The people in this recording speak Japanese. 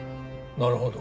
なるほど。